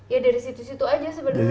ya dari situ situ aja sebenarnya